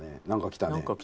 何か来た。